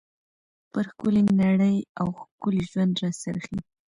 پر ښکلى نړۍ او ښکلي ژوند را څرخي.